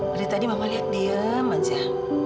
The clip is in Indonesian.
dari tadi mama liat diem aja